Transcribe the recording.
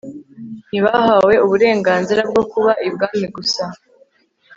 ntibahawe uburenganzira bwo kuba i bwami gusa